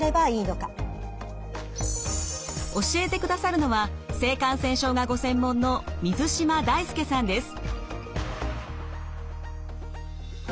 教えてくださるのは性感染症がご専門の水島大輔さんです。